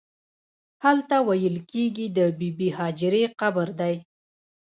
هلته ویل کېږي د بې بي هاجرې قبر دی.